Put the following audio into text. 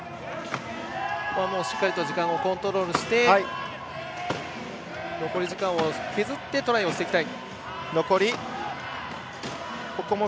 しっかりと時間をコントロールして残り時間を削ってトライをしていきたい。